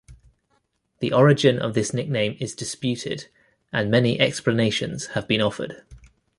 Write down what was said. The origin of this nickname is disputed, and many explanations have been offered.